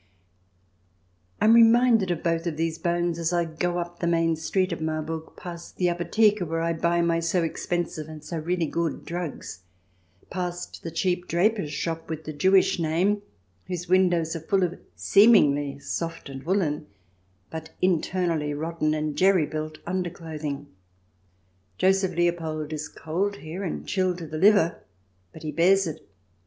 I am reminded of both of these bones as I go up the main street of Marburg, past the Apotheke, where I buy my so expensive and so really good drugs — past the cheap draper's shop with the Jewish name, whose windows are full of seemingly soft and woollen, but internally rotten and jerry built, underclothing. Joseph Leopold is cold here and chilled to the liver, but he bears it.